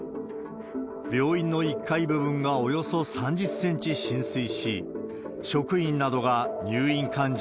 病院の１階部分がおよそ３０センチ浸水し、職員などが入院患者